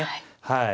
はい。